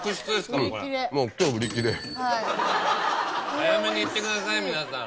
早めに行ってください皆さん。